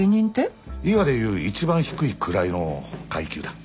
伊賀で言う一番低い位の階級だ。